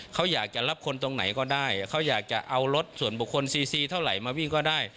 เขาอยากจะรับคนตรงไหนก็ได้เขาอยากจะเอารถส่วนบุคคลซีซีเท่าไหร่มาวิ่งก็ได้